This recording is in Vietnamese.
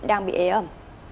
đang bị ế ẩm